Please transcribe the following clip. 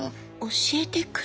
教えてくれる？